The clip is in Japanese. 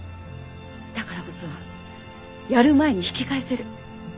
だからこそやる前に引き返せる。